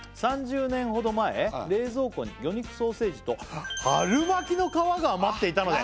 ３０年ほど前」「冷蔵庫に魚肉ソーセージと」「春巻きの皮が余っていたので」